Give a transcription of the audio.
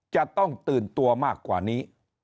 จะต้องตื่นตัวมากกว่านี้